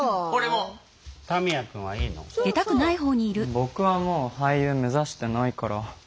僕はもう俳優目指してないから。